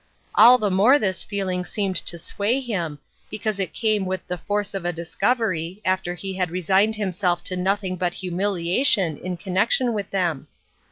All the more this feeling seemed to sway him, because it came with the force of a discovery, after he had resigned himself to nothing but humiliation in connection with them.